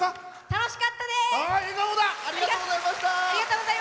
楽しかったです！